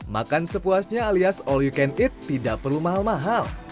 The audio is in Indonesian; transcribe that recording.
makan sepuasnya alias all you can eat tidak perlu mahal mahal